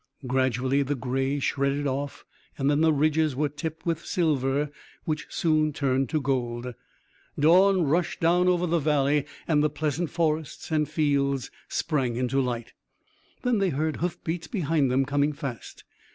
Gradually the gray shredded off and then the ridges were tipped with silver which soon turned to gold. Dawn rushed down over the valley and the pleasant forests and fields sprang into light. Then they heard hoofbeats behind them coming fast.